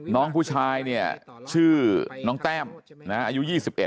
น้องผู้ชายเนี่ยชื่อน้องแต้มอายุ๒๑